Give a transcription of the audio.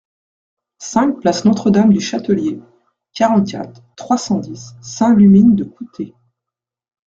cinq place Notre-Dame du Chatellier, quarante-quatre, trois cent dix, Saint-Lumine-de-Coutais